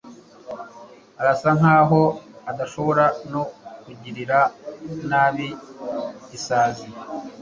Arasa nkaho adashobora no kugirira nabi isazi.